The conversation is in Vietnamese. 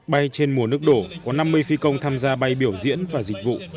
bay trên mùa nước đổ có năm mươi phi công tham gia bay biểu diễn và dịch vụ